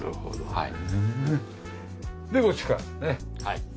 「はい」